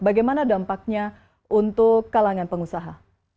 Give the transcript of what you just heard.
bagaimana dampaknya untuk kalangan pengusaha